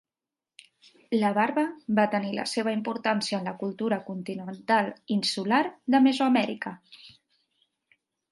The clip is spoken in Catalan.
La barba va tenir la seva importància en la cultura continental insular de Mesoamèrica.